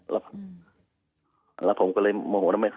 แล้วผมก็เลยโมโหนะ